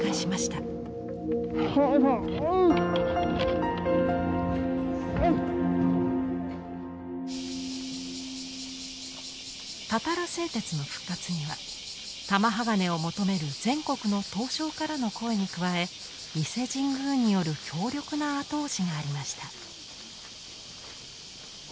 たたら製鉄の復活には玉鋼を求める全国の刀匠からの声に加え伊勢神宮による強力な後押しがありました。